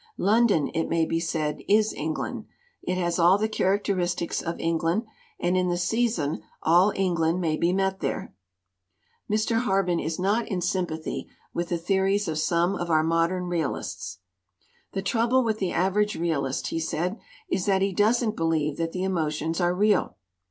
London, it may be said, is England; it has all the characteristics of England, and in the season all England may be met there." Mr. Harben is not in sympathy with the theories of some of our modern realists. "The trouble with the average realist," he said, "is that he doesn't believe that the emo tions are real.